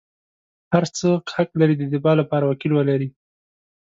هر څوک حق لري د دفاع لپاره وکیل ولري.